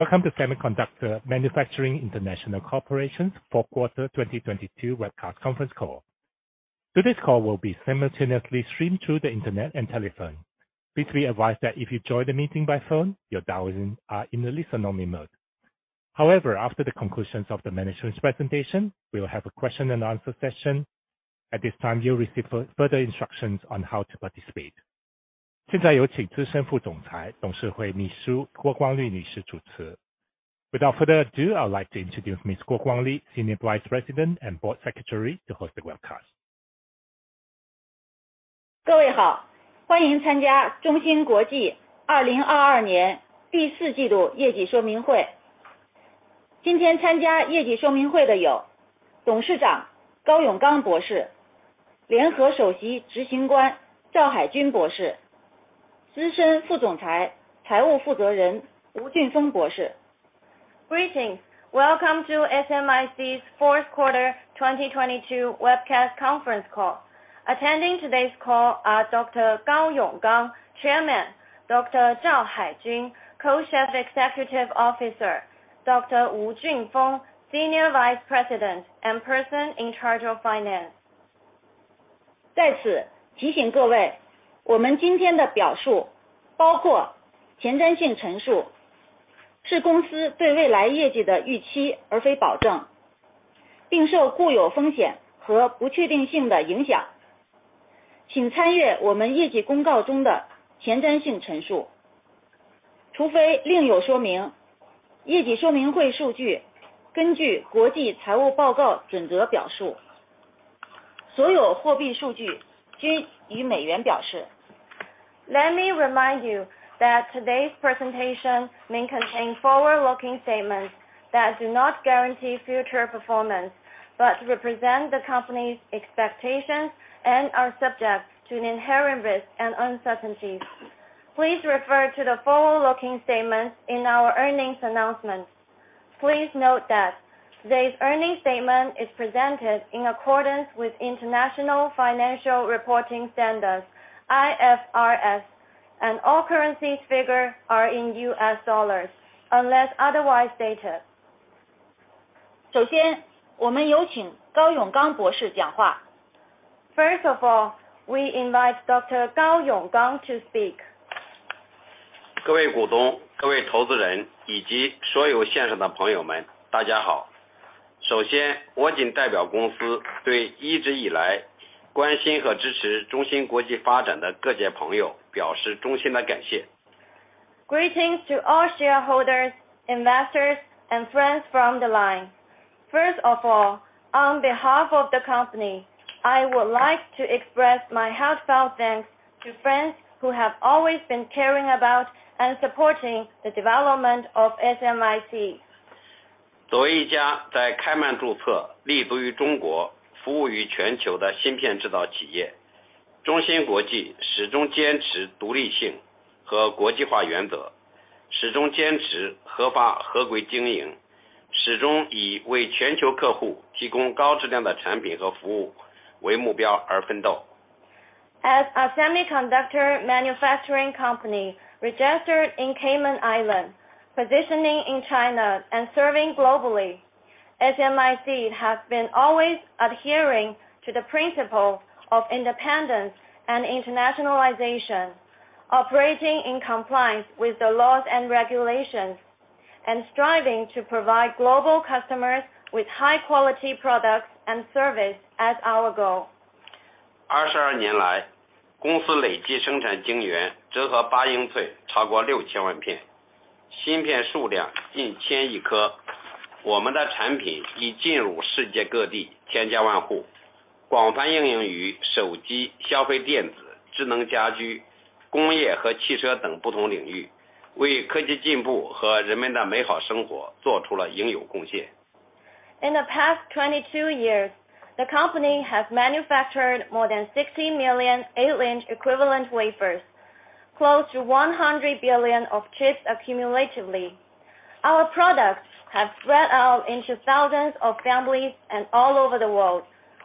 Welcome to Semiconductor Manufacturing International Corporation's fourth quarter 2022 webcast conference call. Today's call will be simultaneously streamed through the internet and telephone. Please be advised that if you join the meeting by phone, your dial-in are in a listen-only mode. However, after the conclusions of the management's presentation, we will have a question and answer session. At this time, you'll receive further instructions on how to participate. 现在有请资深副总裁、董事会秘书郭光丽女士主持。Without further ado, I would like to introduce Miss Guo Guangli, Senior Vice President and Board Secretary to host the webcast. 各位好。欢迎参加中芯国际二零二二年第四季度业绩说明会。今天参加业绩说明会的有董事长高永刚博 士， 联合首席执行官赵海军博士，资深副总 裁， 财务负责人吴俊峰博士。Greetings. Welcome to SMIC's fourth quarter 2022 webcast conference call. Attending today's call are Dr. Gao Yonggang, Chairman. Dr. Zhao Haijun, Co-Chief Executive Officer. Dr. Wu Junfeng, Senior Vice President and Person-in-Charge of Finance. 在此提醒各位，我们今天的表 述， 包括前瞻性陈 述， 是公司对未来业绩的预 期， 而非保 证， 并受固有风险和不确定性的影响。请参阅我们业绩公告中的前瞻性陈述。除非另有说 明， 业绩说明会数据根据国际财务报告准则表述。所有货币数据均以美元表示。Let me remind you that today's presentation may contain forward-looking statements that do not guarantee future performance but represent the company's expectations and are subject to an inherent risk and uncertainties. Please refer to the forward-looking statements in our earnings announcement. Please note that today's earnings statement is presented in accordance with International Financial Reporting Standards, IFRS, and all currency figures are in US dollars unless otherwise stated. 首先我们有请 Dr. Gao Yonggang 讲 话. First of all, we invite Dr. Gao Yonggang to speak. 各位股东、各位投资人以及所有线上的朋友 们， 大家好。首 先， 我谨代表公司对一直以来关心和支持中芯国际发展的各界朋友表示衷心的感谢。Greetings to all shareholders, investors and friends from the line. First of all, on behalf of the company, I would like to express my heartfelt thanks to friends who have always been caring about and supporting the development of SMIC. 作为一家在开曼注 册， 立足于中 国， 服务于全球的芯片制造企 业， 中芯国际始终坚持独立性和国际化原 则， 始终坚持合法合规经 营， 始终以为全球客户提供高质量的产品和服务为目标而奋斗。As a semiconductor manufacturing company registered in Cayman Islands, positioning in China and serving globally, SMIC has been always adhering to the principle of independence and internationalization, operating in compliance with the laws and regulations, and striving to provide global customers with high quality products and service as our goal. 二十二年 来， 公司累计生产晶圆折合八英寸超过六千万 片， 芯片数量近千亿颗。我们的产品已进入世界各地千家万 户， 广泛应用于手机、消费电子、智能家居、工业和汽车等不同领 域， 为科技进步和人们的美好生活做出了应有贡献。In the past 22 years, the company has manufactured more than 60 million 8-inch equivalent wafers, close to 100 billion of chips accumulatively. Our products have spread out into thousands of families and all over the world,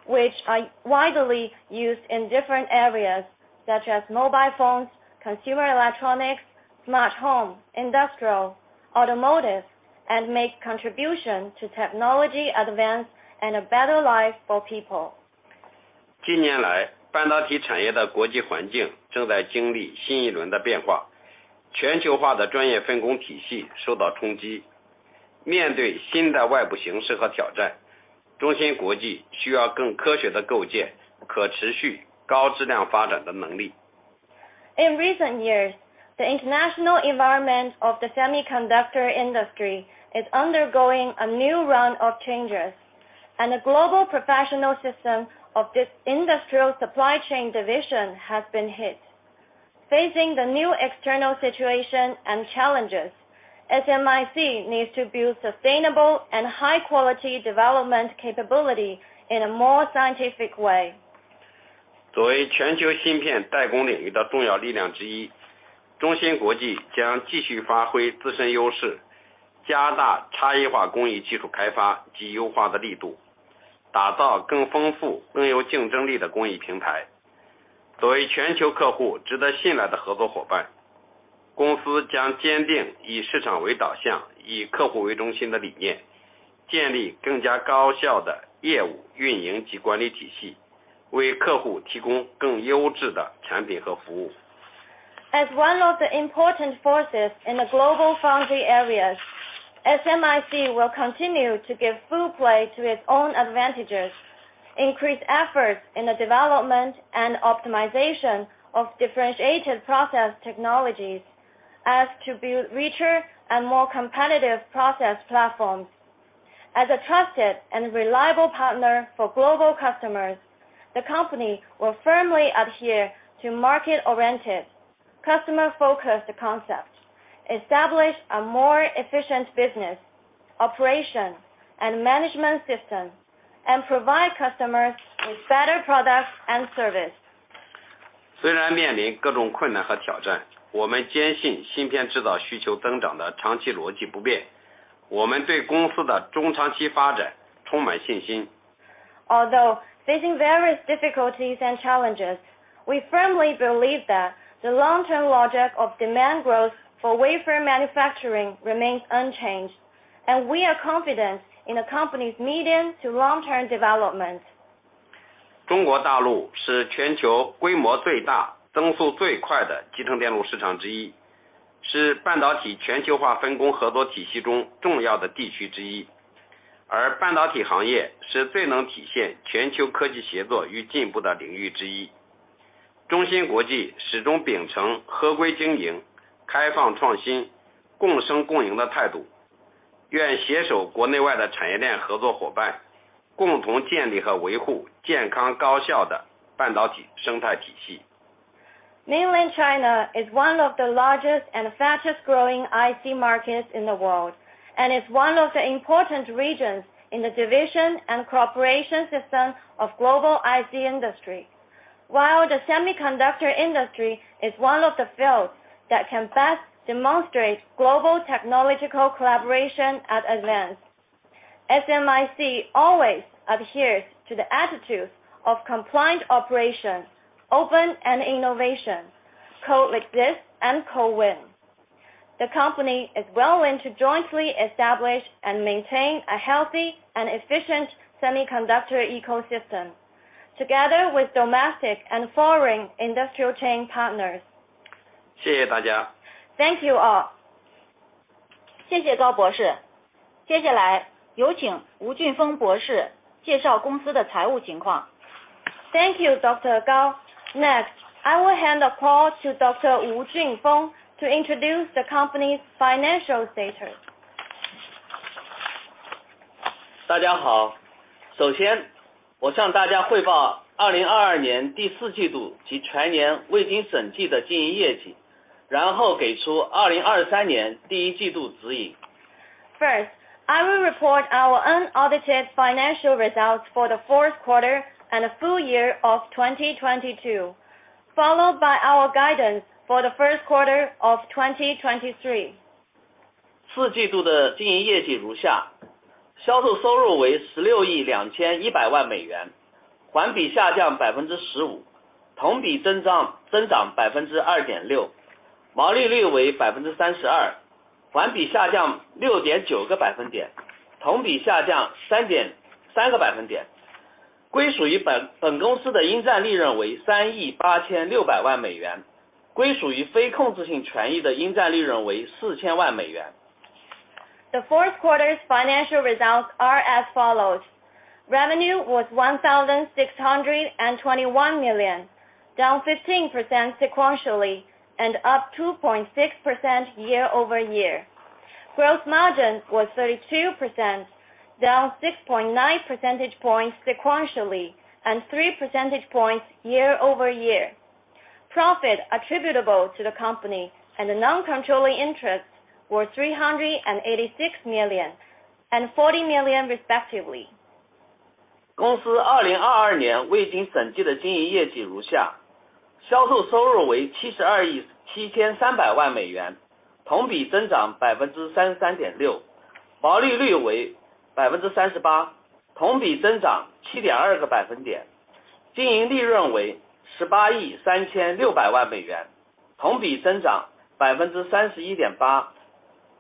which are widely used in different areas such as mobile phones, consumer electronics, smart home, industrial, automotive, and make contribution to technology advance and a better life for people. 近年 来， 半导体产业的国际环境正在经历新一轮的变 化， 全球化的专业分工体系受到冲击。面对新的外部形势和挑 战， 中芯国际需要更科学地构建可持续高质量发展的能力。In recent years, the international environment of the semiconductor industry is undergoing a new round of changes, and the global professional system of this industrial supply chain division has been hit. Facing the new external situation and challenges, SMIC needs to build sustainable and high quality development capability in a more scientific way. 作为全球芯片代工领域的重要力量之 一， 中芯国际将继续发挥自身优 势， 加大差异化工艺技术开发及优化的力 度， 打造更丰富、更有竞争力的工艺平台。作为全球客户值得信赖的合作伙 伴， 公司将坚定以市场为导 向， 以客户为中心的理 念， 建立更加高效的业务运营及管理体 系， 为客户提供更优质的产品和服务。As one of the important forces in the global foundry areas, SMIC will continue to give full play to its own advantages, increase efforts in the development and optimization of differentiated process technologies as to build richer and more competitive process platforms. As a trusted and reliable partner for global customers, the company will firmly adhere to market-oriented, customer-focused concepts, establish a more efficient business, operation, and management system, and provide customers with better products and service. 虽然面临各种困难和挑 战， 我们坚信芯片制造需求增长的长期逻辑不 变， 我们对公司的中长期发展充满信心。Although facing various difficulties and challenges, we firmly believe that the long-term logic of demand growth for wafer manufacturing remains unchanged, and we are confident in the company's medium to long-term development. 中国大陆是全球规模最大、增速最快的集成电路市场之 一， 是半导体全球化分工合作体系中重要的地区之一。而半导体行业是最能体现全球科技协作与进步的领域之一。中芯国际始终秉承合规经营、开放创新、共生共赢的态 度， 愿携手国内外的产业链合作伙 伴， 共同建立和维护健康高效的半导体生态体系。Mainland China is one of the largest and fastest-growing IC markets in the world, and is one of the important regions in the division and cooperation system of global IC industry. While the semiconductor industry is one of the fields that can best demonstrate global technological collaboration at advance. SMIC always adheres to the attitudes of compliant operation, open and innovation, co-exist and co-win. The company is willing to jointly establish and maintain a healthy and efficient semiconductor ecosystem together with domestic and foreign industrial chain partners. 谢谢大 家. Thank you all. 谢谢高博士。接下来有请吴俊峰博士介绍公司的财务情况。Thank you, Dr. Gao. Next, I will hand the call to Dr. Wu Junfeng to introduce the company's financial data. 大家 好， 首先我向大家汇报2022年第四季度及全年未经审计的经营业绩，然后给出2023年第一季度指引。First, I will report our unaudited financial results for the fourth quarter and full year of 2022, followed by our guidance for the first quarter of 2023. Q4 的经营业绩如 下， 销售收入为 $1.621 billion， 环比下降 15%， 同比增长 2.6%， 毛利率为 32%， 环比下降 6.9 percentage points， 同比下降 3.3 percentage points。归属于本公司的应占利润为 $386 million。归属于非控制性权益的应占利润为 $40 million。The fourth quarter's financial results are as follows: revenue was $1,621 million, down 15% sequentially and up 2.6% year-over-year. Gross margin was 32%, down 6.9 percentage points sequentially and 3 percentage points year-over-year. Profit attributable to the company and the non-controlling interests were $386 million and $40 million, respectively. 公司 2022年未经审计的经营业绩如 下. 销售收入为 $7.273 billion, 同比增长 33.6%. 毛利率为 38%, 同比增长 7.2 个百分 点. 经营利润为 $1.836 billion, 同比增长 31.8%.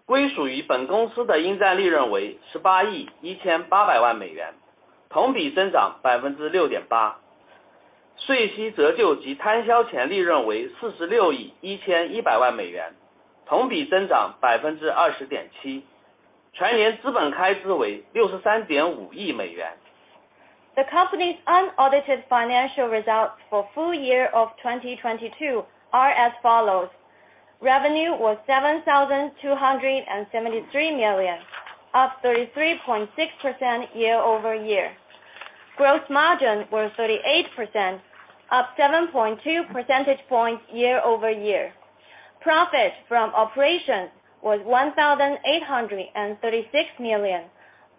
归属于本公司的应占利润为 $1.818 billion, 同比增长 6.8%. EBITDA 为 $4.611 billion, 同比增长 20.7%. 全年 CapEx 为 $6.35 billion. The company's unaudited financial results for full year of 2022 are as follows: revenue was $7,273 million, up 33.6% year-over-year. Gross margin was 38%, up 7.2 percentage points year-over-year. Profit from operations was $1,836 million,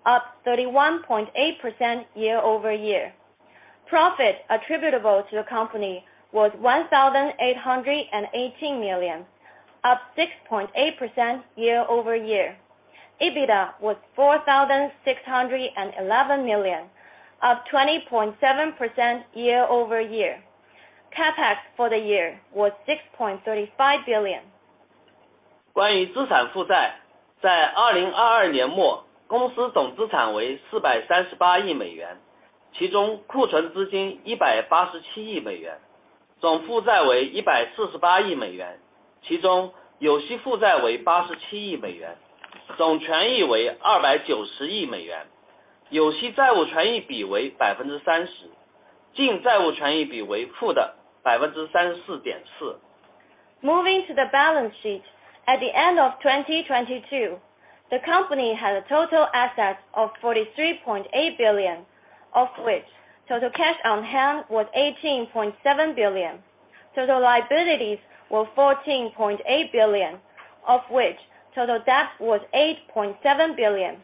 up 31.8% year-over-year. Profit attributable to the company was $1,818 million, up 6.8% year-over-year. EBITDA was $4,611 million, up 20.7% year-over-year. CapEx for the year was $6.35 billion. 关于资产负 债， 在二零二二年 末， 公司总资产为四百三十八亿美 元， 其中库存资金一百八十七亿美 元， 总负债为一百四十八亿美 元， 其中有息负债为八十七亿美 元， 总权益为二百九十亿美 元， 有息债务权益比为百分之三 十， 净债务权益比为负的百分之三十四点四。Moving to the balance sheet. At the end of 2022, the company had a total assets of $43.8 billion, of which total cash on hand was $18.7 billion. Total liabilities were $14.8 billion, of which total debt was $8.7 billion.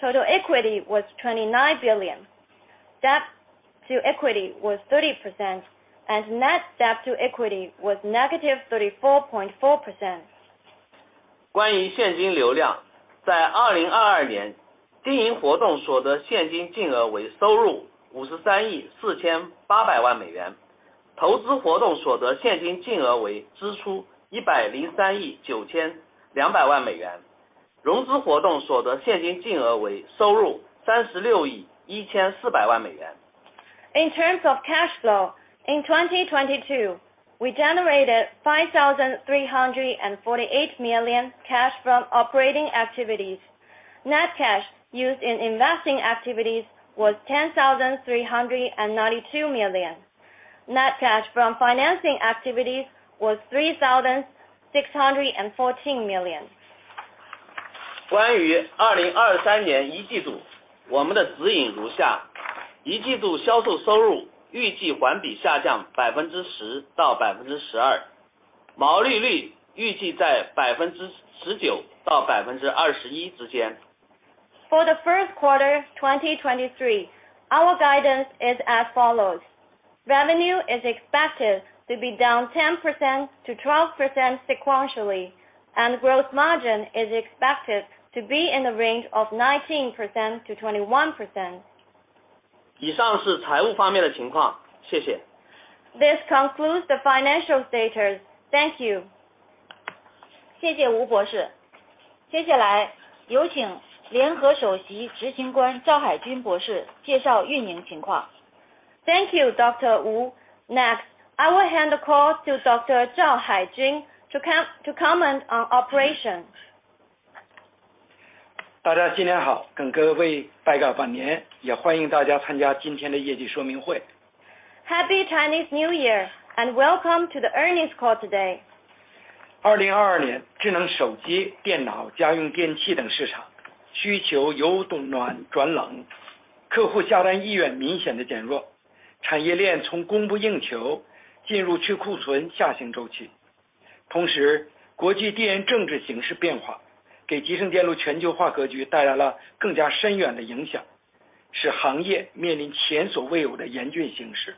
Total equity was $29 billion. Debt to equity was 30% and net debt to equity was -34.4%. 关于现金流 量， 在二零二二年经营活动所得现金净额为收入五十三亿四千八百万美 元， 投资活动所得现金净额为支出一百零三亿九千两百万美 元， 融资活动所得现金净额为收入三十六亿一千四百万美元。In terms of cash flow, in 2022, we generated $5,348 million cash from operating activities. Net cash used in investing activities was $10,392 million. Net cash from financing activities was $3,614 million. 关于二零二三年一季 度， 我们的指引如 下， 一季度销售收入预计环比下降百分之十到百分之十 二， 毛利率预计在百分之十九到百分之二十一之间。For the first quarter 2023, our guidance is as follows: revenue is expected to be down 10%-12% sequentially and gross margin is expected to be in the range of 19%-21%. 以上是财务方面的情 况. 谢 谢. This concludes the financial status. Thank you. 谢谢 Dr. Wu. 接下来有请 Co-Chief Executive Officer Dr. Zhao Haijun 介绍运营情 况. Thank you, Dr. Wu. Next, I will hand the call to Dr. Zhao Haijun to comment on operations. 大家新年 好! 跟各位拜个晚 年, 也欢迎大家参加今天的业绩说明 会. Happy Chinese New Year and welcome to the earnings call today. 二零二二 年， 智能手机、电脑、家用电器等市场需求由暖转 冷， 客户下单意愿明显的减 弱， 产业链从供不应求进入去库存下行周期。同 时， 国际地缘政治形势变化给集升电路全球化格局带来了更加深远的影 响， 使行业面临前所未有的严峻形势。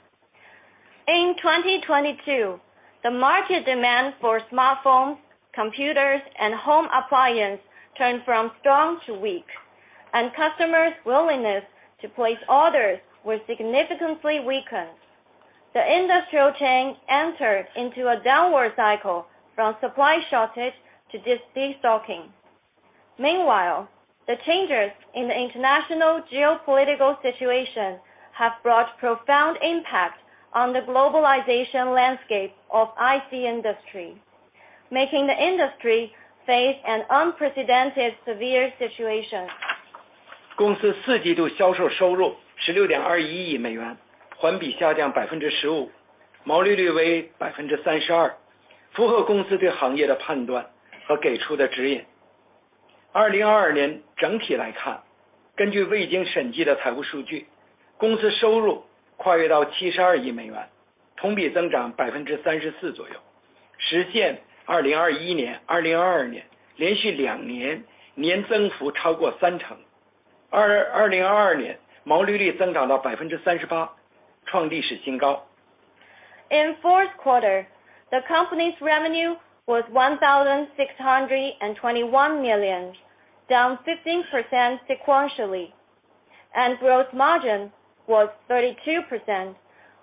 In 2022, the market demand for smartphones, computers and home appliance turned from strong to weak and customers willingness to place orders was significantly weakened. The industrial chain entered into a downward cycle from supply shortage to de-stocking. Meanwhile, the changes in the international geopolitical situation have brought profound impact on the globalization landscape of IC industry, making the industry face an unprecedented severe situation. 公司四季度销售收入十六点二一亿美 元， 环比下降百分之十 五， 毛利率为百分之三十 二， 符合公司对行业的判断和给出的指引。二零二二年整体来 看， 根据未经审计的财务数 据， 公司收入跨越到七十二亿美 元， 同比增长百分之三十四左 右， 实现二零二一年、二零二二年连续两年年增幅超过三成。二-二零二二年毛利率增长到百分之三十 八， 创历史新高。In fourth quarter, the company's revenue was $1,621 million, down 15% sequentially, and gross margin was 32%,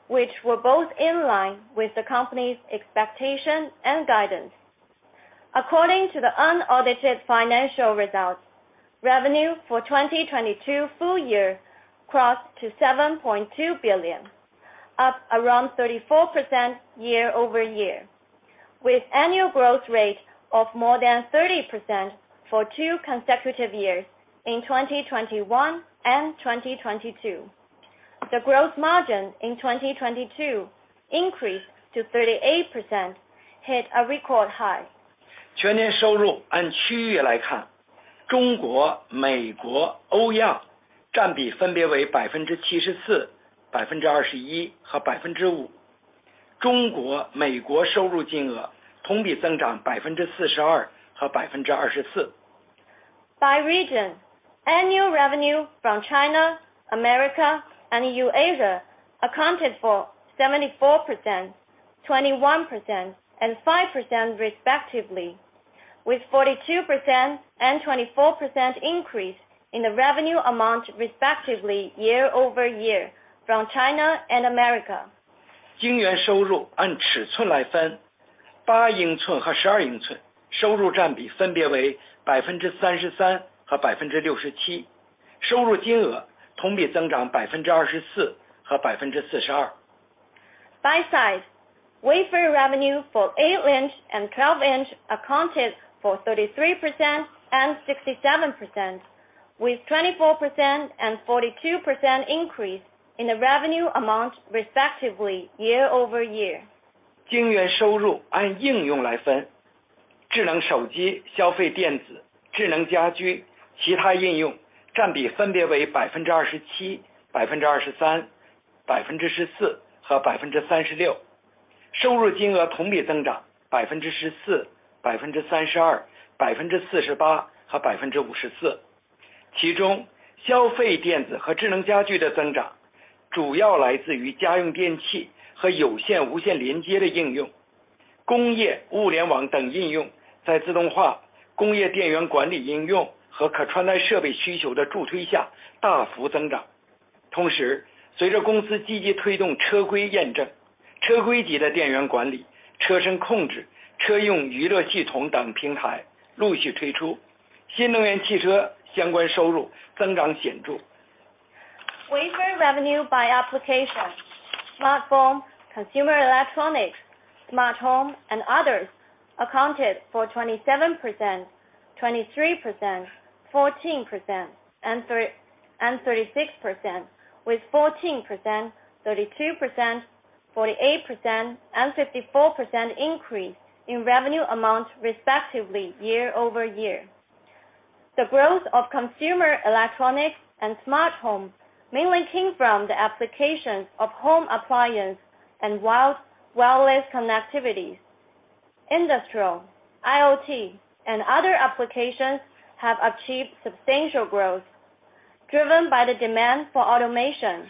which were both in line with the company's expectation and guidance. According to the unaudited financial results, revenue for 2022 full year crossed to $7.2 billion, up around 34% year-over-year, with annual growth rate of more than 30% for two consecutive years in 2021 and 2022. The gross margin in 2022 increased to 38%, hit a record high. 全年收入按区域来 看， 中国、美国、欧亚占比分别为百分之七十四、百分之二十一和百分之五。中国、美国收入金额同比增长百分之四十二和百分之二十四。By region. Revenue from China, America, and Eurasia accounted for 74%, 21%, and 5% respectively, with 42% and 24% increase in the revenue amount respectively year-over-year from China and America. 晶圆收入按尺寸来 分， 8英寸和12英寸收入占比分别为 33% 和 67%， 收入金额同比增长 24% 和 42%。By size, wafer revenue for 8 inch and 12 inch accounted for 33% and 67%, with 24% and 42% increase in the revenue amount respectively year-over-year. 晶圆收入按应用来 分， 智能手机、消费电子、智能家居其他应用占比分别为百分之二十七、百分之二十三、百分之十四和百分之三十 六， 收入金额同比增长百分之十四、百分之三十二、百分之四十八和百分之五十四。其 中， 消费电子和智能家居的增长主要来自于家用电器和有线、无线连接的应用。工业物联网等应用在自动化、工业电源管理应用和可穿戴设备需求的助推下大幅增长。同 时， 随着公司积极推动车规验证、车规级的电源管理、车身控制、车用娱乐系统等平台陆续推 出， 新能源汽车相关收入增长显著。Wafer revenue by application: smartphone, consumer electronics, smart home, and others accounted for 27%, 23%, 14%, and 36% with 14%, 32%, 48%, and 54% increase in revenue amount respectively year-over-year. The growth of consumer electronics and smart home mainly came from the applications of home appliance and wireless connectivity. Industrial, IoT, and other applications have achieved substantial growth, driven by the demand for automation,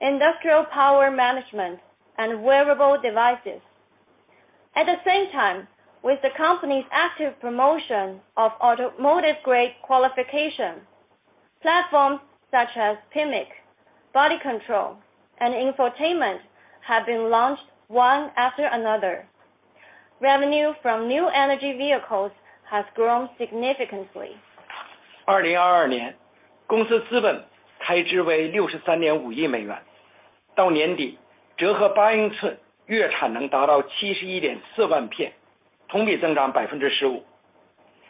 industrial power management, and wearable devices. At the same time, with the company's active promotion of automotive-grade qualification, platforms such as PMIC, body control, and infotainment have been launched one after another. Revenue from new energy vehicles has grown significantly. 二零二二 年， 公司资本开之为六十三点五亿美 元， 到年底折合八英寸月产能达到七十一点四万 片， 同比增长百分之十五。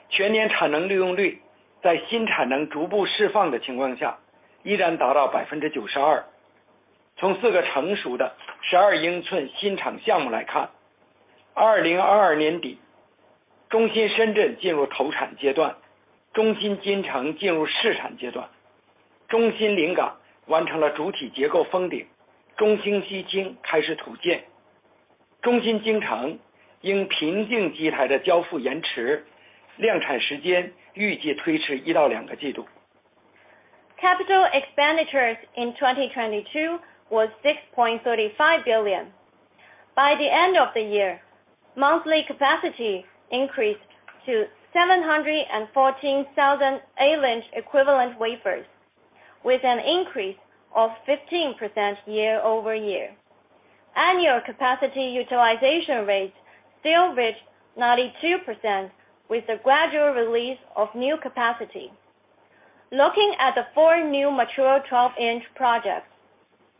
全年产能利用率在新产能逐步释放的情况下依然达到百分之九十二。从四个成熟的十二英寸新厂项目来 看， 二零二二年 底， 中芯深圳进入投产阶 段， 中芯津城进入试产阶 段， 中芯临港完成了主体结构封 顶， 中芯西京开始土建。中芯京城因平镜机台的交付延 迟， 量产时间预计推迟一到两个季度。Capital expenditures in 2022 was $6.35 billion. By the end of the year, monthly capacity increased to 714,000 8-inch equivalent wafers, with an increase of 15% year-over-year. Annual capacity utilization rates still reached 92% with the gradual release of new capacity. Looking at the four new mature 12-inch projects,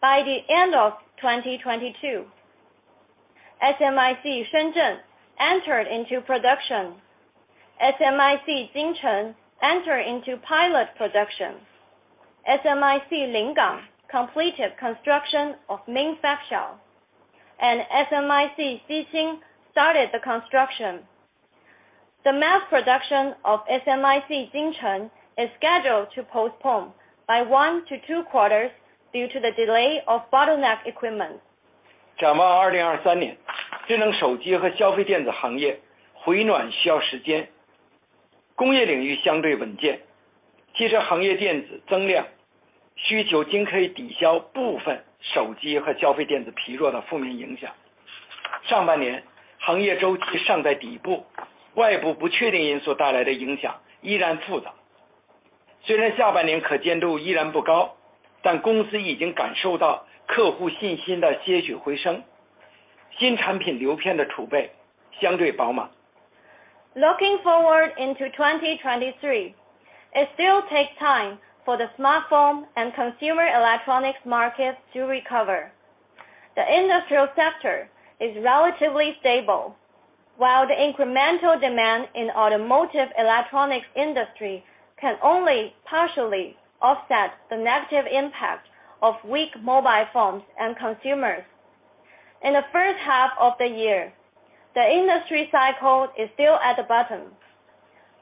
by the end of 2022, SMIC Shenzhen entered into production. SMIC Jingcheng entered into pilot production. SMIC Lingang completed construction of main factory. SMIC Xi'an started the construction. The mass production of SMIC Jingcheng is scheduled to postpone by one to two quarters due to the delay of bottleneck equipment. 展望二零二三 年， 智能手机和消费电子行业回暖需要时间。工业领域相对稳 健， 汽车行业电子增量需求仅可以抵消部分手机和消费电子疲弱的负面影响。上半年行业周期尚在底 部， 外部不确定因素带来的影响依然复杂。虽然下半年可见度依然不 高， 但公司已经感受到客户信心的些许回 升， 新产品流片的储备相对饱满。Looking forward into 2023, it still takes time for the smartphone and consumer electronics markets to recover. The industrial sector is relatively stable, while the incremental demand in automotive electronics industry can only partially offset the negative impact of weak mobile phones and consumers. In the first half of the year, the industry cycle is still at the bottom.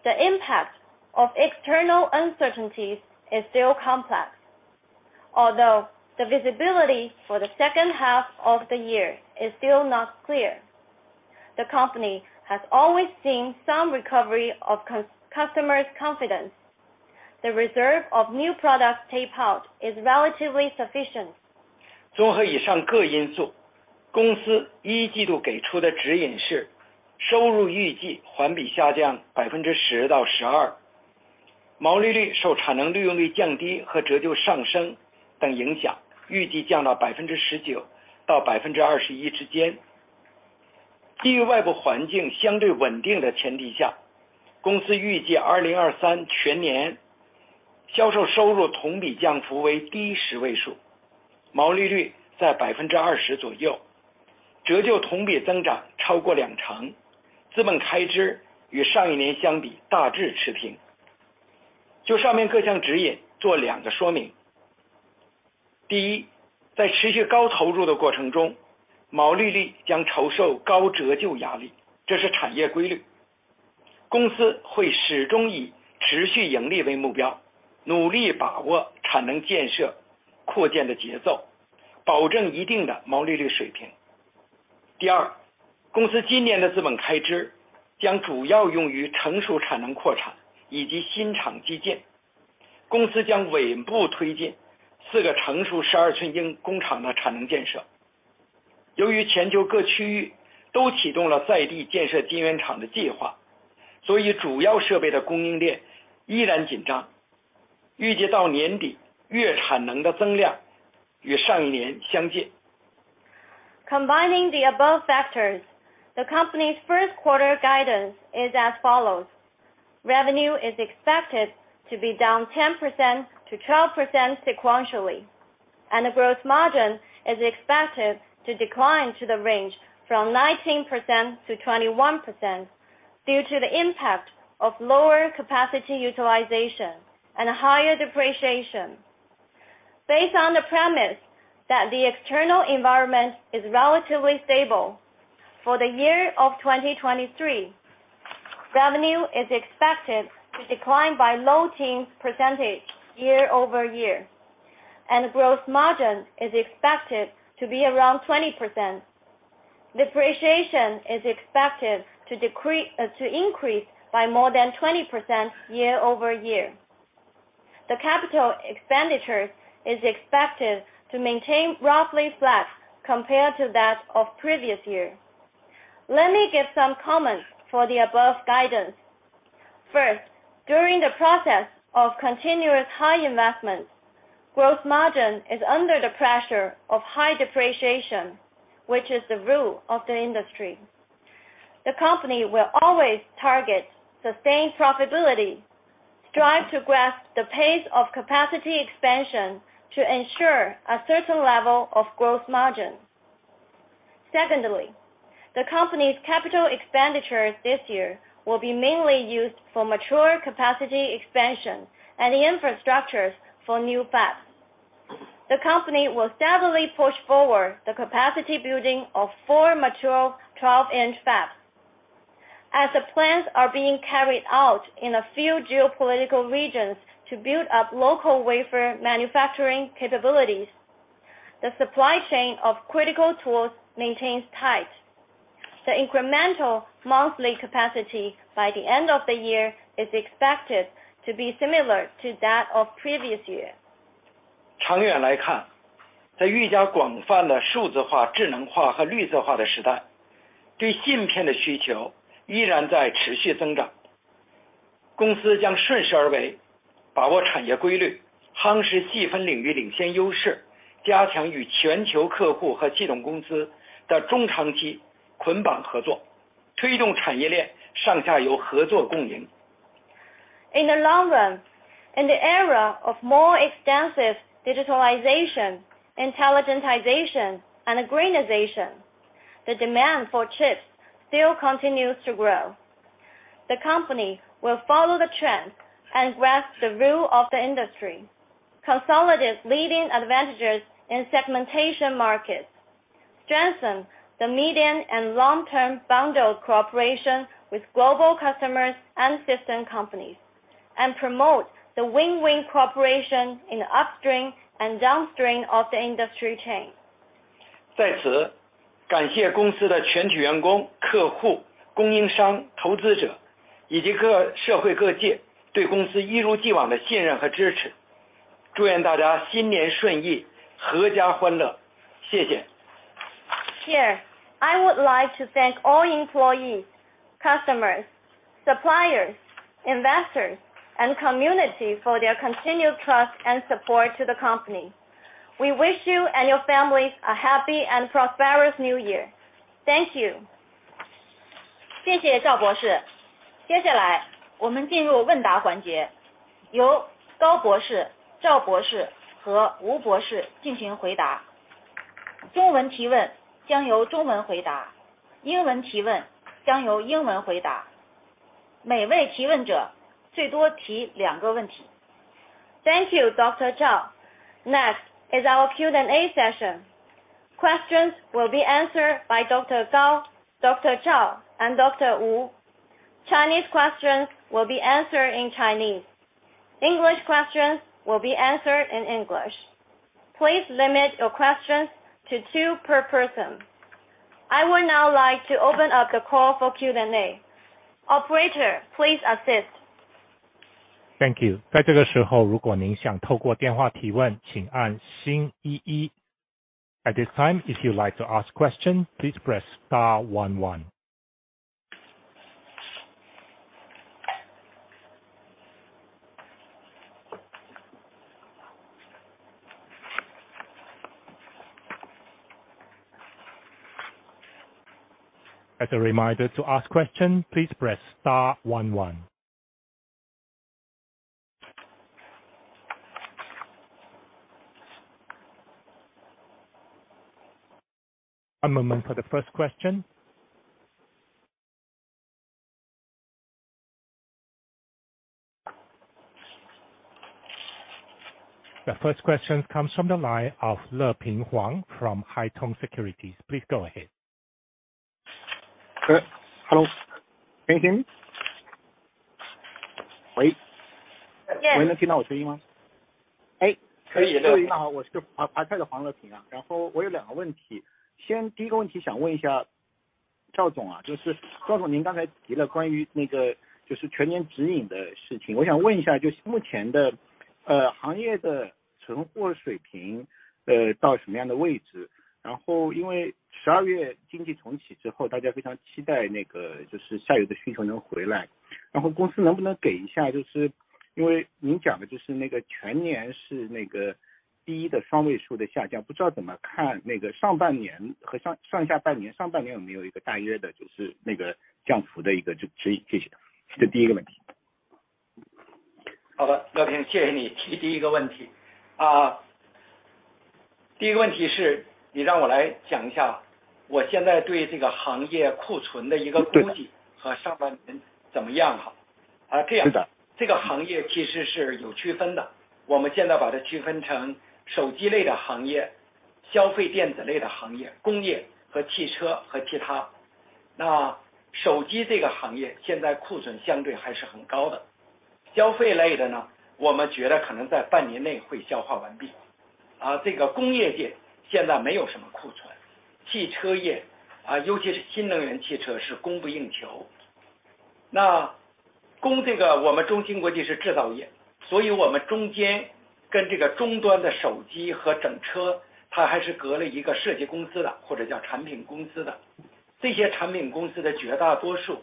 The impact of external uncertainties is still complex. Although the visibility for the second half of the year is still not clear, the company has always seen some recovery of customers confidence. The reserve of new products taped out is relatively sufficient. 综合以上各因 素， 公司一季度给出的指引是收入预计环比下降百分之十到十二。毛利率受产能利用率降低和折旧上升等影 响， 预计降到百分之十九到百分之二十一之间。基于外部环境相对稳定的前提 下， 公司预计二零二三全年销售收入同比降幅为低十位 数， 毛利率在百分之二十左 右， 折旧同比增长超过两 成， 资本开支与上一年相比大致持平。就上面各项指引做两个说明。第 一， 在持续高投入的过程 中， 毛利率将受高折旧压 力， 这是产业规律。公司会始终以持续盈利为目标，努力把握产能建设扩建的节 奏， 保证一定的毛利率水平。第 二， 公司今年的资本开支将主要用于成熟产能扩产以及新厂基建。公司将稳步推进四个成熟十二寸英工厂的产能建设。由于全球各区域都启动了在地建设晶圆厂的计 划， 所以主要设备的供应链依然紧张，预计到年底月产能的增量与上一年相近。Combining the above factors. The company's first quarter guidance is as follows. Revenue is expected to be down 10%-12% sequentially, and the gross margin is expected to decline to the range from 19%-21% due to the impact of lower capacity utilization and higher depreciation. Based on the premise that the external environment is relatively stable for the year of 2023, revenue is expected to decline by low teens percentage year-over-year, and gross margin is expected to be around 20%. Depreciation is expected to increase by more than 20% year-over-year. The capital expenditure is expected to maintain roughly flat compared to that of previous year. Let me give some comments for the above guidance. First, during the process of continuous high investment, growth margin is under the pressure of high depreciation, which is the rule of the industry. The company will always target sustained profitability. Strive to grasp the pace of capacity expansion to ensure a certain level of growth margin. Secondly, the company's capital expenditure this year will be mainly used for mature capacity expansion and infrastructures for new fabs. The company will steadily push forward the capacity building of four mature 12-inch fabs, as the plans are being carried out in a few geopolitical regions to build up local wafer manufacturing capabilities. The supply chain of critical tools maintains tight. The incremental monthly capacity by the end of the year is expected to be similar to that of previous year. 长远来 看， 在愈加广泛的数字化、智能化和绿色的时 代， 对芯片的需求依然在持续增 长. 公司将顺势而 为， 把握产业规 律， 夯实细分领域领先优 势， 加强与全球客户和系统公司的中长期捆绑合 作， 推动产业链上下游合作共 赢. In the long run, in the era of more extensive digitalization, intelligentization, and greenization, the demand for chips still continues to grow. The company will follow the trend and grasp the rule of the industry, consolidate leading advantages in segmentation markets, strengthen the medium and long term bundled cooperation with global customers and system companies, and promote the win-win cooperation in the upstream and downstream of the industry chain. 在此感谢公司的全体员工、客户、供应商、投资者以及各社会各界对公司一如既往的信任和支持。祝愿大家新年顺 意， 阖家欢乐。谢谢。Here I would like to thank all employees, customers, suppliers, investors and community for their continued trust and support to the company. We wish you and your families a happy and prosperous new year. Thank you. 谢谢赵博士。接下来我们进入问答环 节， 由高博士、赵博士和吴博士进行回答。中文提问将由中文回 答， 英文提问将由英文回答。每位提问者最多提2个问题。Thank you, Dr. Zhao. Next is our Q&A session. Questions will be answered by Dr. Gao, Dr. Zhao and Dr. Wu. Chinese questions will be answered in Chinese. English questions will be answered in English. Please limit your questions to two per person. I would now like to open up the call for Q&A. Operator, please assist. Thank you. 在这个时 候， 如果您想透过电话提 问， 请按星一一。At this time, if you'd like to ask question, please press star one one. As a reminder to ask question, please press star one one. A moment for the first question. The first question comes from the line of 乐平黄 from Haitong Securities. Please go ahead. Hello, 可以听见 吗? 喂? Yes。能听到我声音 吗？ 可 以. 好， 我是华泰的乐平黄 啊， 我有2个问 题， 先第1个问题想问一下赵总 啊， 就是赵总您刚才提了关于那个就是全年指引的事 情， 我想问一 下， 就是目前的行业的存货水平到什么样的位 置， 因为12月经济重启之 后， 大家非常期待那个就是下游的需求能回 来， 公司能不能给一 下， 就是因为您讲的就是那个全年是那个第1的双位数的下 降， 不知道怎么看那个上半年和上下半 年， 上半年有没有一个大约的就是那个降幅的一个指 引， 谢谢。这是第1个问题。好 的， 乐平， 谢谢你提 first 个问题。first 个问题是你让我来讲一 下， 我现在对这个行业库存的一个估计。对. 和上半年怎么样。这样 的， 这个行业其实是有区分 的， 我们现在把它区分成手机类的行业、消费电子类的行业、工业和汽车和其他。手机这个行业现在库存相对还是很高的。消费类的 呢， 我们觉得可能在半年内会消化完毕。这个工业界现在没有什么库存。汽车 业， 尤其是新能源汽车是供不应求。供这个我们中芯国际是制造 业， 所以我们中间跟这个终端的手机和整 车， 它还是隔了一个设计公司 的， 或者叫产品公司的。这些产品公司的绝大多数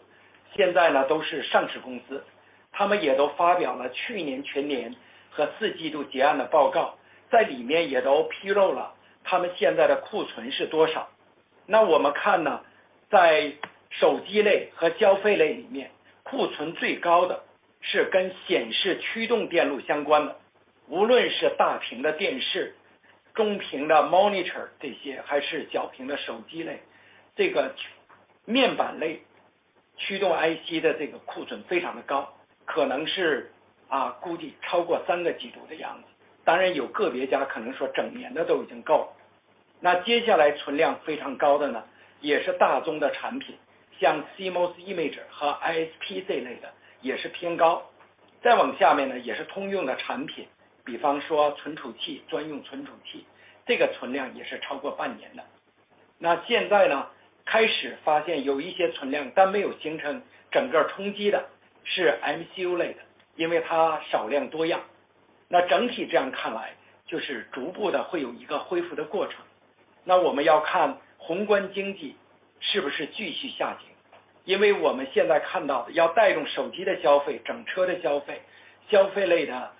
现在呢都是上市公 司， 他们也都发表了去年全年和 Q4 结案的报 告， 在里面也都披露了他们现在的库存是多少。我们看 呢， 在手机类和消费类里 面， 库存最高的是跟显示驱动电路相关的，无论是大屏的电视、中屏的 monitor 这 些， 还是小屏的手机 类， 这个面板类驱动 IC 的这个库存非常的 高， 可能是估计超过3个季度的样子。当然有个别家可能说整年的都已经够了。接下来存量非常高的 呢， 也是大宗的产 品， 像 CMOS image 和 ISP 这类的也是偏高。再往下面 呢， 也是通用的产品，比方说存储 器， 专用存储器， 这个存量也是超过半年的。现在 呢， 开始发现有一些存 量， 但没有形成整个冲击的是 MCU 类 的， 因为它少量多样。整体这样看 来， 就是逐步的会有一个恢复的过 程， 我们要看宏观经济是不是继续下 行， 因为我们现在看到的要带动手机的消费、整车的消 费， 消费类的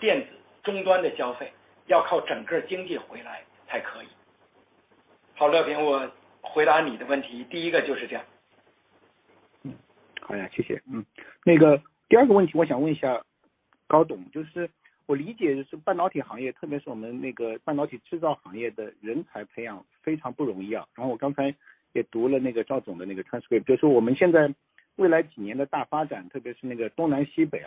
电子终端的消 费， 要靠整个经济回来才可以。好， 乐 平， 我回答你的问题第1个就是这样。好， 谢谢。第二个问题我想问一下高 总， 就是我理解的是半导体行 业， 特别是我们那个半导体制造行业的人才培养非常不容 易， 我刚才也读了那个赵总的那个 transcript， 就是我们现在未来几年的大发 展， 特别是那个东南西 北，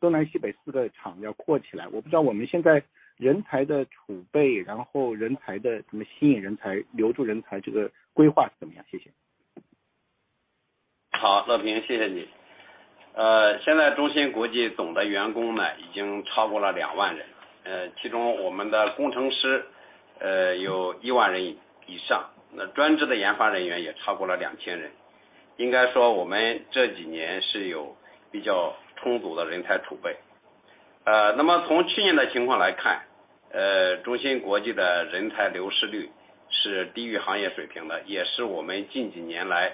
东南西北4个厂要扩起 来， 我不知道我们现在人才的储 备， 然后人才的怎么吸引人才、留住人才这个规划是怎么 样？ 谢谢。好， 乐 平， 谢谢你。呃， 现在中芯国际总的员工 呢， 已经超过了两万 人， 呃， 其中我们的工程师 呃， 有一万人以 上， 那专职的研发人员也超过了两千人。应该说我们这几年是有比较充足的人才储备。呃， 那么从去年的情况来 看， 呃， 中芯国际的人才流失率是低于行业水平 的， 也是我们近几年来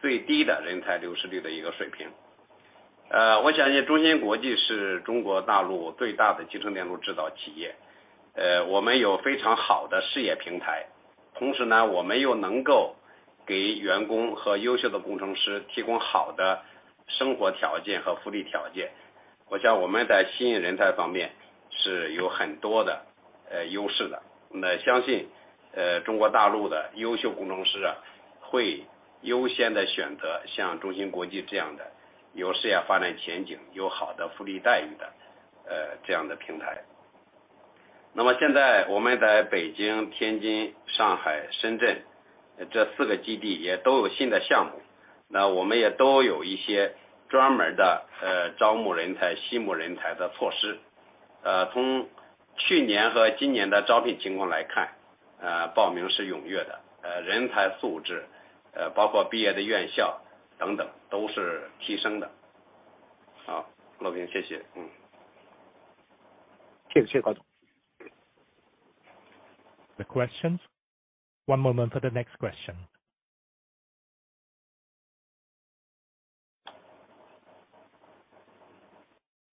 最低的人才流失率的一个水平。呃， 我想因为中芯国际是中国大陆最大的集成电路制造企 业， 呃， 我们有非常好的事业平 台， 同时 呢， 我们又能够给员工和优秀的工程师提供好的生活条件和福利条 件， 我想我们在吸引人才方面是有很多的呃优势的。那相信中国大陆的优秀工程师 啊， 会优先地选择像中芯国际这样的有事业发展前景、有好的福利待遇的呃这样的平台。那么现在我们在北京、天津、上海、深圳这四个基地也都有新的项目，那我们也都有一些专门的 呃， 招募人才、吸募人才的措施。呃， 从去年和今年的招聘情况来 看， 呃， 报名是踊跃 的， 呃， 人才素 质， 呃， 包括毕业的院校等等都是提升的。好， 罗斌谢谢。嗯。谢 谢， 谢谢郭总。The questions. One moment for the next question.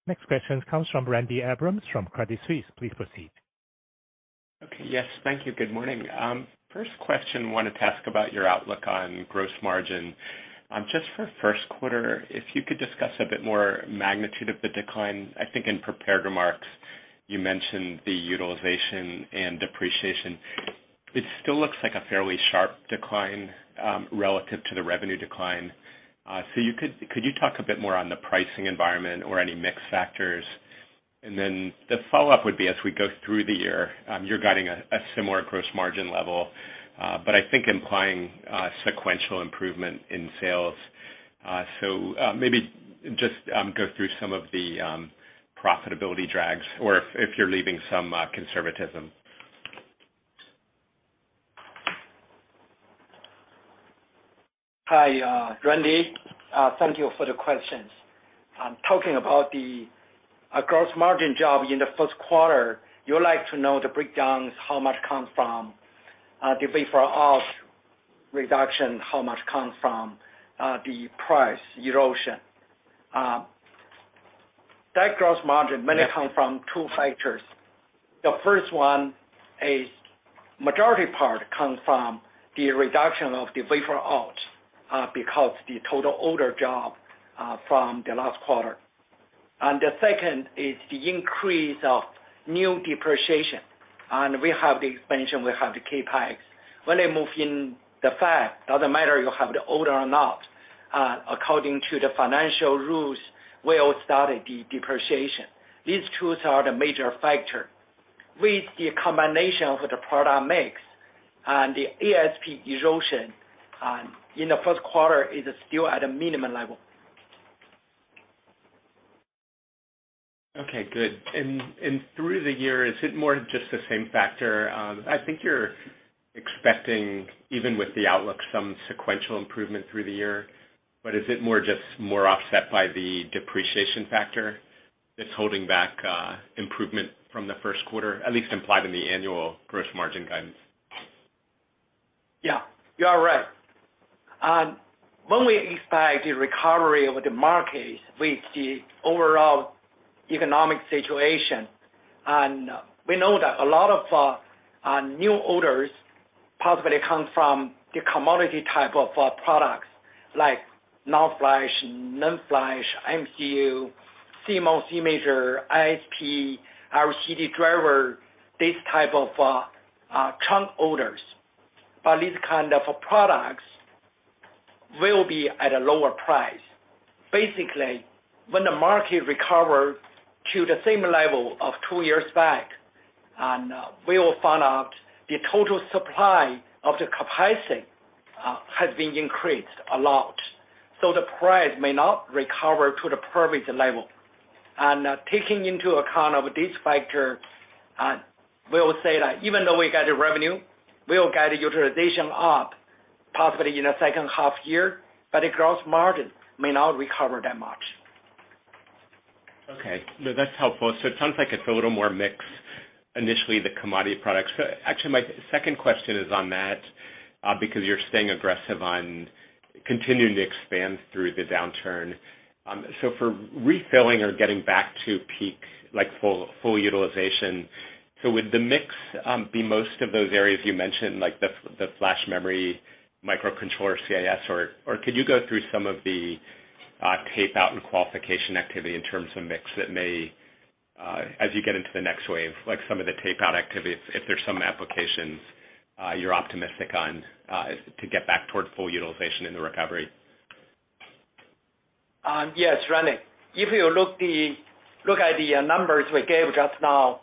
Next question comes from Randy Abrams from Credit Suisse. Please proceed. Okay. Yes, thank you. Good morning. First question, wanted to ask about your outlook on gross margin. Just for first quarter, if you could discuss a bit more magnitude of the decline. I think in prepared remarks, you mentioned the utilization and depreciation. It still looks like a fairly sharp decline, relative to the revenue decline. Could you talk a bit more on the pricing environment or any mix factors? The follow-up would be as we go through the year, you're guiding a similar gross margin level, but I think implying sequential improvement in sales. Maybe just go through some of the profitability drags or if you're leaving some conservatism. Hi, Randy. Thank you for the questions. Talking about the gross margin job in the first quarter, you'd like to know the breakdowns, how much comes from the wafer out reduction, how much comes from the price erosion. That gross margin mainly come from two factors. The first one is majority part comes from the reduction of the wafer out, because the total order job from the last quarter. The second is the increase of new depreciation. We have the expansion, we have the CapEx. When they move in the fab, doesn't matter you have the order or not, according to the financial rules, we all start the depreciation. These two are the major factor. With the combination of the product mix and the ASP erosion, in the first quarter is still at a minimum level. Okay, good. Through the year, is it more just the same factor? I think you're expecting, even with the outlook, some sequential improvement through the year. Is it more just more offset by the depreciation factor that's holding back improvement from the first quarter, at least implied in the annual gross margin guidance? Yeah, you are right. When we expect the recovery of the market with the overall economic situation, and we know that a lot of new orders possibly come from the commodity type of products like NAND flash, NOR flash, MCU, CMOS image, ISP, LCD driver, this type of chunk orders. These kind of products will be at a lower price. Basically, when the market recover to the same level of two years back, and we will find out the total supply of the capacity has been increased a lot. The price may not recover to the previous level. Taking into account of this factor, we'll say that even though we got the revenue, we'll get the utilization up, possibly in the second half year, but the gross margin may not recover that much. Okay. No, that's helpful. It sounds like it's a little more mix, initially the commodity products. Actually, my second question is on that, because you're staying aggressive on continuing to expand through the downturn. For refilling or getting back to peak, like full utilization, would the mix be most of those areas you mentioned, like the flash memory, microcontroller, CIS, or could you go through some of the tape-out and qualification activity in terms of mix that may, as you get into the next wave, like some of the tape-out activity, if there's some applications you're optimistic on, to get back toward full utilization in the recovery? Yes, Randy. If you look at the numbers we gave just now,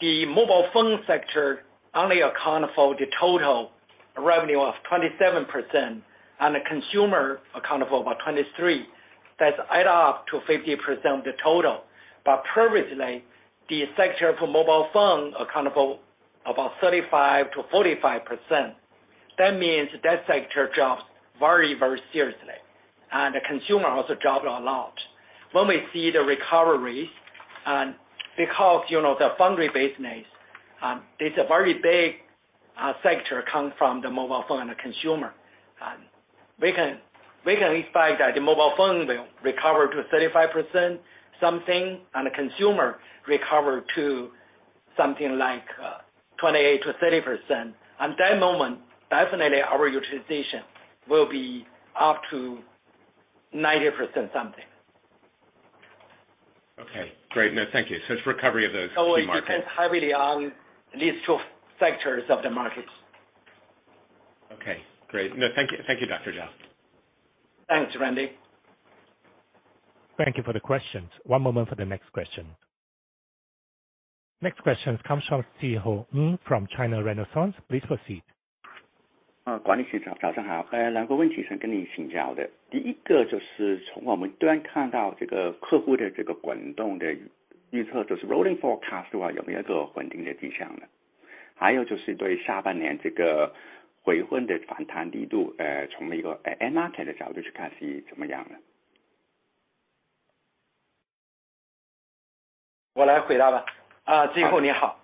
the mobile phone sector only account for the total revenue of 27%, and the consumer account for about 23%. That's add up to 50% of the total. Previously, the sector for mobile phone accountable about 35%-45%. That means that sector dropped very seriously. The consumer also dropped a lot. When we see the recoveries, and because, you know, the foundry business is a very big sector coming from the mobile phone and consumer. We can expect that the mobile phone will recover to 35% something, and the consumer recover to something like 28%-30%. At that moment, definitely our utilization will be up to 90% something. Okay, great. No, thank you. It's recovery of those two markets. We depend heavily on these two sectors of the market. Okay, great. Thank you. Thank you, Dr. Zhao. Thanks, Randy. Thank you for the questions. One moment for the next question. Next question comes from Szeho Ng from China Renaissance. Please proceed. 呃管理层早上 好， 有两个问题想跟您请教的。第一个就是从我们端看到这个客户的这个滚动的预 测， 就是 rolling forecast 啊， 有没有一个稳定的迹象 呢？ 还有就是对下半年这个回温的反弹力 度， 呃从一个 market 的角度去看是怎么样的。我来回答吧。Ziho 你好。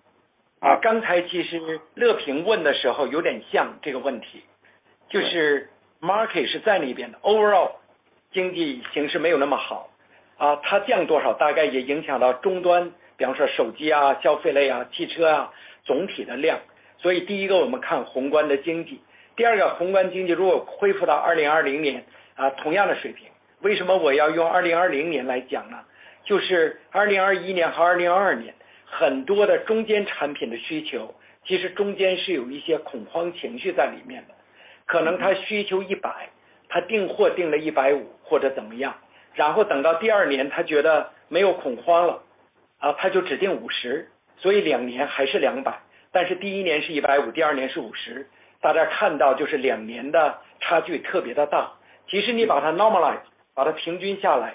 好. 刚才其实乐平问的时候有点像这个问 题， 就是 market 是在那边 的， overall 经济形势没有那么 好， 啊它降多少大概也影响到终 端， 比方说手机啊、消费类啊、汽车啊总体的量。所以第一个我们看宏观的经 济， 第二个宏观经济如果恢复到二零二零年啊同样的水平。为什么我要用二零二零年来讲 呢？ 就是二零二一年和二零二 年， 很多的中间产品的需 求， 其实中间是有一些恐慌情绪在里面 的， 可能它需求一 百， 它订货订了一百五或者怎么 样， 然后等到第二年它觉得没有恐慌 了， 啊它就只订五十，所以两年还是两 百， 但是第一年是一百 五， 第二年是五十。大家看到就是两年的差距特别的 大， 其实你把它 normalize， 把它平均下 来，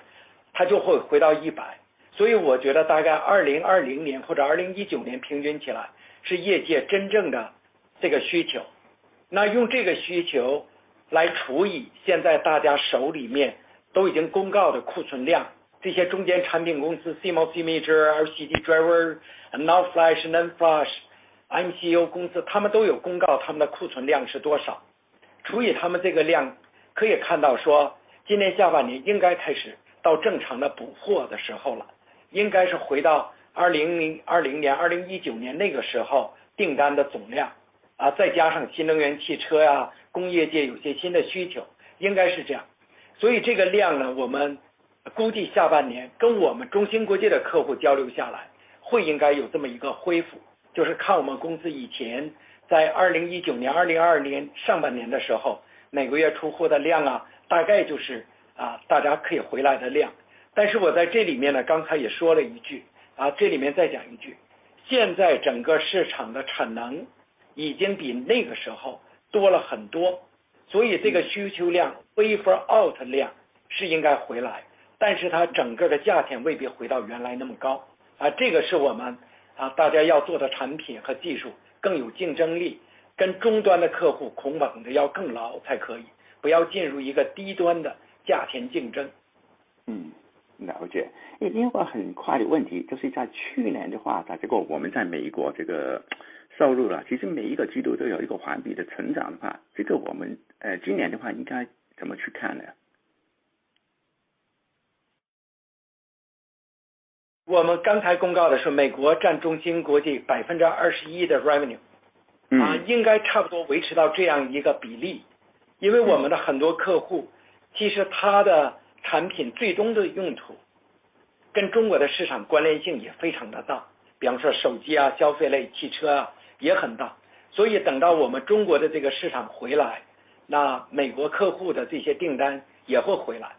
它就会回到一百。所以我觉得大概二零二零年或者二零一九年平均起来是业界真正的这个需求。那用这个需求来除以现在大家手里面都已经公告的库存量，这些中间产品公司 CMO、CMO major，LCD driver，NAND flash，NAND flash，MCU 公 司， 他们都有公告他们的库存量是多少。除以他们这个 量， 可以看到说今年下半年应该开始到正常的补货的时候 了， 应该是回到二零二零年、二零一九年那个时候订单的总 量， 啊再加上新能源汽车 啊， 工业界有些新的需 求， 应该是这样。所以这个量 呢， 我们估计下半年跟我们中芯国际的客户交流下 来， 会应该有这么一个恢 复， 就是看我们公司以前在二零一九年、二零二零年上半年的时 候， 每个月出货的量 啊， 大概就是啊大家可以回来的量。但是我在这里面 呢， 刚才也说了一 句， 啊这里面再讲一 句， 现在整个市场的产能已经比那个时候多了很 多， 所以这个需求量 ，wafer out 量是应该回来，但是它整个的价钱未必回到原来那么高。啊这个是我们啊大家要做的产品和技术更有竞争 力， 跟终端的客户捆绑得要更牢才可 以， 不要进入一个低端的价钱竞争。嗯， 了解。另外很快的问题就是在去年的 话， 打几个我们在美国这个收入 呢， 其实每一个季度都有一个环比的成长的 话， 这个我们呃今年的话应该怎么去看呢？我们刚才公告的说美国占中芯国际 21% 的 revenue. 嗯。应该差不多维持到这样一个比 例， 因为我们的很多客 户， 其实他的产品最终的用途跟中国的市场关联性也非常的 大， 比方说手机 啊， 消费类汽车 啊， 也很大。所以等到我们中国的这个市场回 来， 那美国客户的这些订单也会回 来，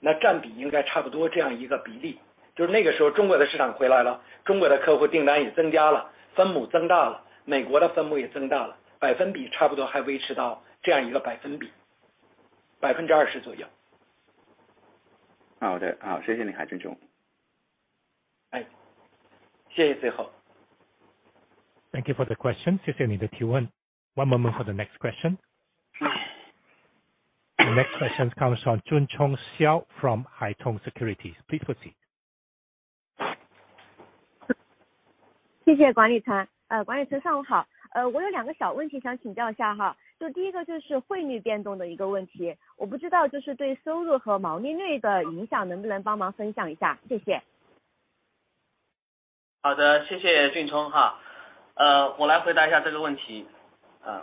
那占比应该差不多这样一个比例。就是那个时候中国的市场回来 了， 中国的客户订单也增加 了， 分母增大 了， 美国的分母也增大 了， 百分比差不多还维持到这样一个百分 比， 20%左右。好 的， 好， 谢谢你海军总。哎谢谢 Ziho。Thank you for the question.谢 谢你的提 问.One moment for the next question. The next question comes from 俊聪 Xiao from Haitong Securities. Please proceed. 谢谢管理层。管理层上午好。我有2个小问题想请教一下。就第1个就是汇率变动的一个问 题， 我不知道就是对收入和毛利率的影响能不能帮忙分享一下。谢谢。好 的， 谢谢峻冲哈。呃我来回答一下这个问题。呃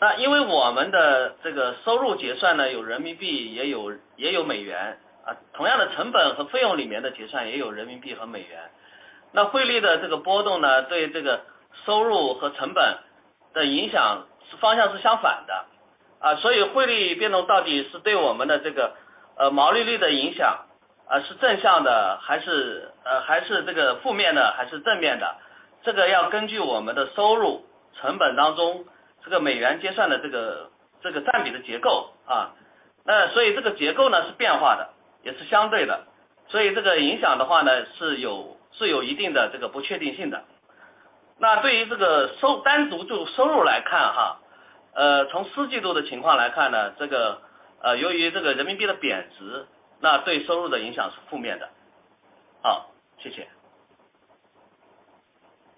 那因为我们的这个收入结算 呢， 有人民 币， 也 有， 也有美 元， 啊同样的成本和费用里面的结算也有人民币和美元。那汇率的这个波动 呢， 对这个收入和成本的影响是方向是相反的。啊所以汇率变动到底是对我们的这个呃毛利率的影响啊是正向的还 是， 呃还是这个负面 的， 还是正面 的， 这个要根据我们的收入成本当中这个美元结算的这 个， 这个占比的结 构， 啊那所以这个结构呢是变化 的， 也是相对的。所以这个影响的话 呢， 是有，是有一定的这个不确定性的。那对于这个收--单独就收入来看 哈， 呃从四季度的情况来看 呢， 这个呃由于这个人民币的贬 值， 那对收入的影响是负面的。好， 谢谢。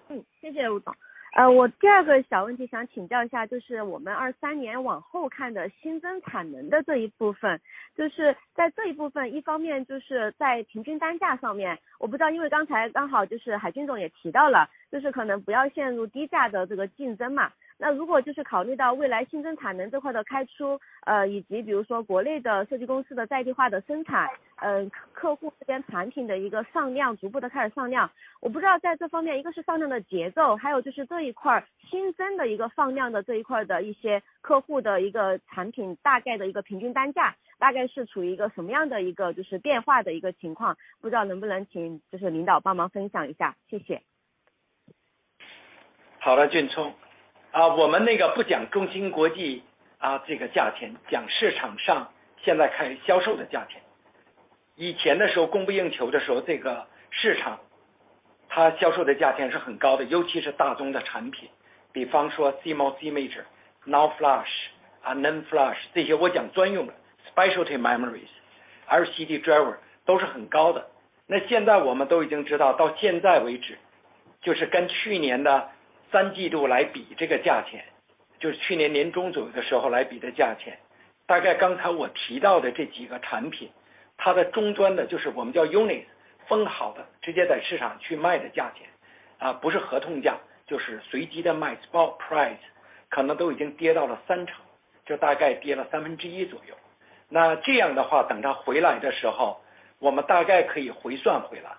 嗯， 谢谢吴总。呃我第二个小问题想请教一 下， 就是我们二三年往后看的新增产能的这一部 分， 就是在这一部 分， 一方面就是在平均单价方 面， 我不知 道， 因为刚才刚好就是海君总也提到 了， 就是可能不要陷入低价的这个竞争嘛。那如果就是考虑到未来新增产能这块的开 出， 呃以及比如说国内的设计公司的在地化的生 产， 呃客户这边产品的一个放量逐步的开始放量。我不知道在这方面一个是放量的节 奏， 还有就是这一块新增的一个放量的这一块的一些客户的一个产品大概的一个平均单 价， 大概是处于一个什么样的一个就是变化的一个情 况， 不知道能不能请就是领导帮忙分享一 下， 谢谢。好 了， 俊聪，我们那个不讲中芯国际这个价 钱， 讲市场上现在开始销售的价钱。以前的时候供不应求的时 候， 这个市场它销售的价钱是很高 的， 尤其是大宗的产 品， 比方说 CMOS image，NOR flash， NAND flash， 这些我讲专用的 specialty memories，RCD driver 都是很高的。现在我们都已经知 道， 到现在为 止， 就是跟去年的三季度来 比， 这个价 钱， 就是去年年中左右的时候来比的价 钱， 大概刚才我提到的这几个产 品， 它的终端 呢， 就是我们叫 unique， 分好 的， 直接在市场去卖的价 钱， 不是合同 价， 就是随机的卖 spot price， 可能都已经跌到了 30%， 就大概跌了 1/3 左右。这样的 话， 等他回来的时 候， 我们大概可以回算回来。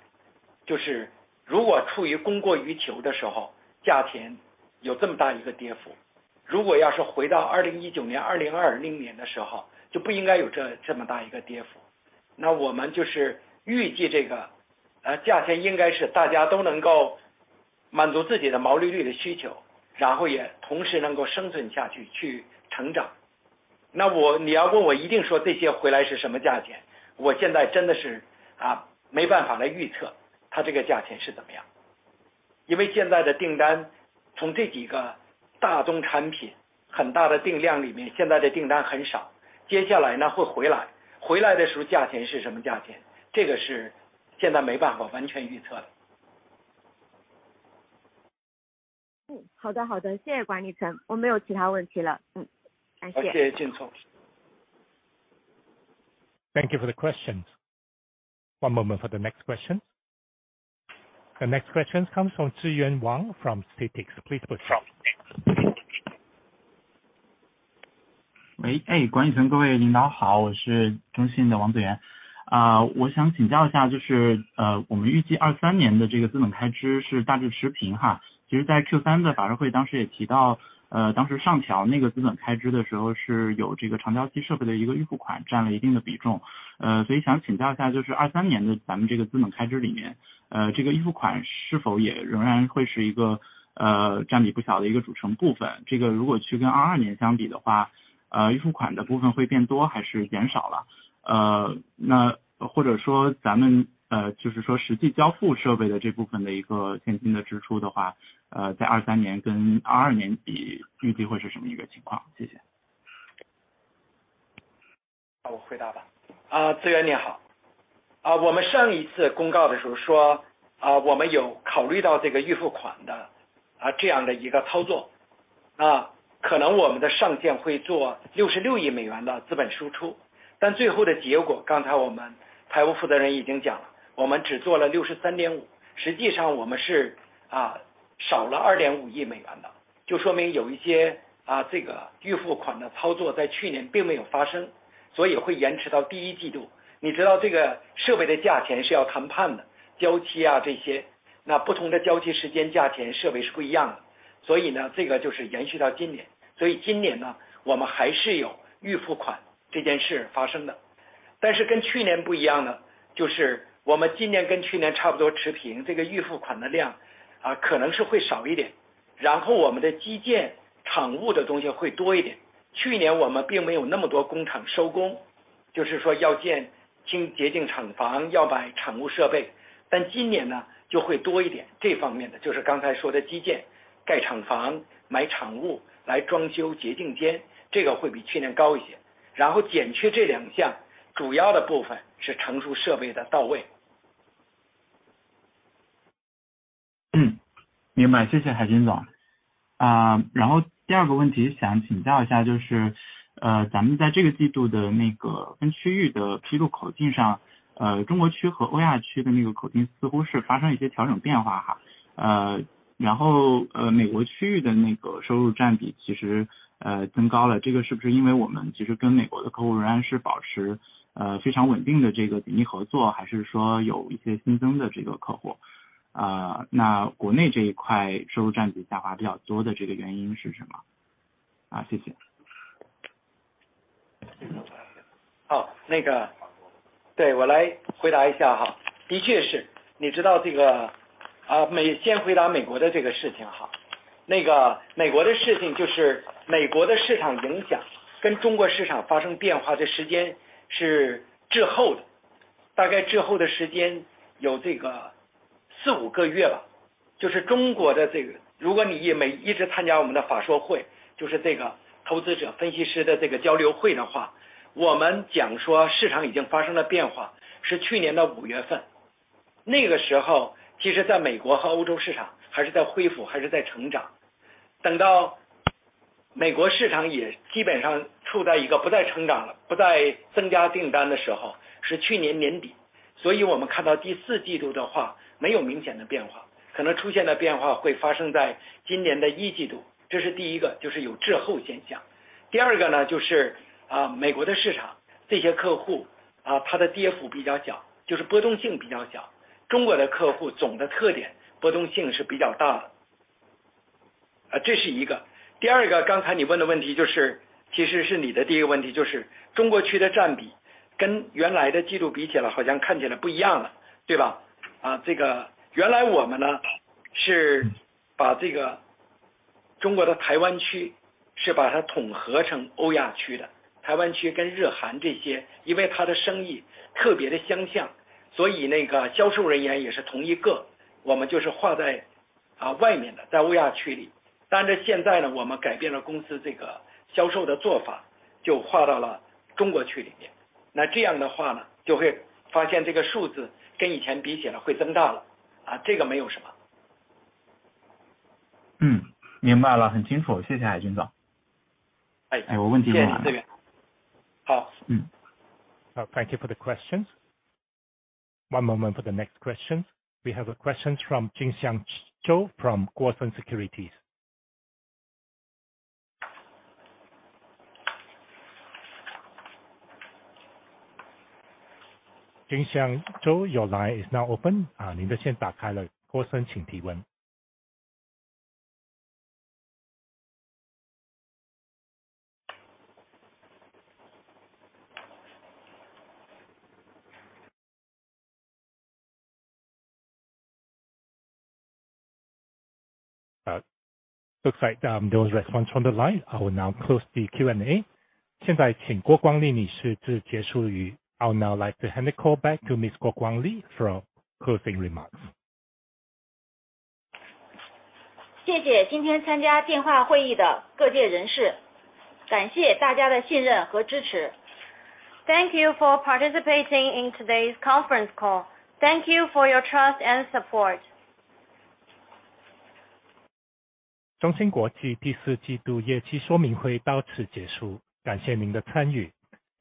就是如果处于供过于求的时 候， 价钱有这么大一个跌幅。如果要是回到2019年、2020 年的时 候， 就不应该有这么大一个跌 幅， 我们就是预计这个价钱应该是大家都能够满足自己的毛利率的需 求， 然后也同时能够生存下去去成长。我你要问我一定说这些回来是什么价 钱， 我现在真的是没办法来预测它这个价钱是怎么样。因为现在的订单从这几个大宗产品很大的订量里 面， 现在的订单很 少， 接下来 呢， 会回 来， 回来的时候价钱是什么价 钱， 这个是现在没办法完全预测的。嗯， 好 的， 好 的， 谢谢郭管理 层， 我没有其他问题了。嗯， 感谢。好， 谢谢俊聪。Thank you for the question. One moment for the next question. The next question comes from Ziyuan Wang from Citic. Please go from. 喂， 欸， 管理层各位领导 好， 我是中信的王紫 源， 呃， 我想请教一 下， 就是 呃， 我们预计二三年的这个资本开支是大致持平哈。其实在 Q 三的法说 会， 当时也提 到， 呃， 当时上调那个资本开支的时 候， 是有这个长交期设备的一个预付 款， 占了一定的比重。呃， 所以想请教一 下， 就是二三年的咱们这个资本开支里面， 呃， 这个预付款是否也仍然会是一个 呃， 占比不小的一个组成部 分， 这个如果去跟二二年相比的 话， 呃， 预付款的部分会变多还是减少 了？ 呃， 那或者说咱们 呃， 就是说实际交付设备的这部分的一个现金的支出的 话， 呃， 在二三年跟二二年 比， 预计会是什么一个情 况？ 谢谢。让我回答吧。啊， 紫源你好，啊我们上一次公告的时候 说， 啊我们有考虑到这个预付款的啊这样的一个操 作， 啊可能我们的上限会做六十六亿美元的资本输 出， 但最后的结 果， 刚才我们财务负责人已经讲 了， 我们只做了六十三点 五， 实际上我们是 啊， 少了二点五亿美元 的， 就说明有一些 啊， 这个预付款的操作在去年并没有发 生， 所以会延迟到第一季度。你知道这个设备的价钱是要谈判 的， 交期啊这 些， 那不同的交期时间、价钱、设备是不一样的。所以 呢， 这个就是延续到今年。所以今年 呢， 我们还是有预付款这件事发生的。但是跟去年不一样 的， 就是我们今年跟去年差不多持 平， 这个预付款的量啊可能是会少一 点， 然后我们的基建、厂物的东西会多一点。去年我们并没有那么多工厂收 工， 就是说要建清洁净厂 房， 要买产物设 备， 但今年 呢， 就会多一 点， 这方面 的， 就是刚才说的基 建， 盖厂 房， 买厂 物， 来装修洁净 间， 这个会比去年高一些。然后减去这两项主要的部分是成熟设备的到位。嗯， 明 白， 谢谢海金总。啊， 然后第二个问题想请教一 下， 就是 呃， 咱们在这个季度的那个跟区域的披露口径 上， 呃， 中国区和欧亚区的那个口径似乎是发生一些调整变化哈。呃， 然 后， 呃美国区域的那个收入占比其实 呃， 增高 了， 这个是不是因为我们其实跟美国的客户仍然是保持 呃， 非常稳定的这个紧密合 作， 还是说有一些新增的这个客 户？ 啊， 那国内这一块收入占比下滑比较多的这个原因是什么？ 啊， 谢谢。对，我来回答一下。的 确 是， 你知道这 个， 先回答美国的这个事 情， 美国的事情就是美国的市场影响跟中国市场发生变化的时间是滞后 的， 大概滞后的时间有这个 4-5 个月吧。中国的这 个， 如果你一直参加我们的法说 会， 就是这个投资者分析师的这个交流会的 话， 我们讲说市场已经发生了变 化， 是去年的 May 份， 那个时候其实在美国和欧洲市场还是在恢 复， 还是在成长。美国市场也基本上处在一个不再成长 了， 不再增加订单的时 候， 是去年年 底， 我们看到 Q4 的话没有明显的变 化， 可能出现的变化会发生在今年的 Q1， 这是第一 个， 有滞后现象。第二 个， 美国的市 场， 这些客 户， 它的跌幅比较 小， 波动性比较 小， 中国的客户总的特点波动性是比较大的。这是一个。第二 个， 刚才你问的问 题， 其实是你的第一个问 题， 中国区的占比跟原来的季度比起来好像看起来不一样 了， 对 吧？ 这个原来我 们， 是把这个中国的台湾区是把它统合成 Eurasia 区 的， 台湾区跟日韩这 些， 因为它的生意特别的相 像， 那个销售人员也是同一 个， 我们划 在， 外面 的， 在 Eurasia 区里。现 在， 我们改变了公司这个销售的做 法， 划到了中国区里 面， 这样的 话， 会发现这个数字跟以前比起来会增大 了， 这个没有什么。嗯， 明白 了， 很清 楚， 谢谢海金总。哎。我问题问完 了. 谢谢这边。好。Thank you for the question. One moment for the next question, we have a question from 金祥周 from Guosen Securities. 金祥周, your line is now open. 您的线打开 了, Guosen 请 提问. Looks like there's no response from the line. I will now close the Q&A. 现在请 Ms. Guo Guangli 致 结束语. I will now like to hand the call back to Ms. Guo Guangli for closing remarks. 谢谢今天参加电话会议的各界人 士， 感谢大家的信任和支持。Thank you for participating in today's conference call. Thank you for your trust and support. 中芯国际第四季度业绩说明会到此结 束， 感谢您的参与。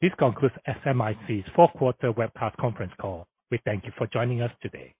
This concludes SMIC fourth quarter webcast conference call. We thank you for joining us today.